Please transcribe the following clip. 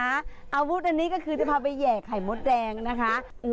อาวุธนี่คือเผาไปแยกไข่มดแดงนะคะ